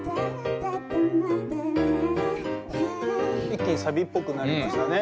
一気にサビっぽくなりましたね。